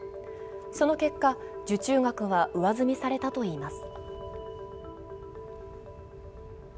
その結果、受注額は上積みされたといいます。